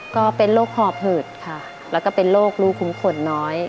ก็เป็นโรคหอบหืดค่ะแล้วก็เป็นโรคลูกคุ้มขนน้อย